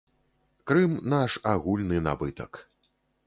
Крым наш агульны набытак.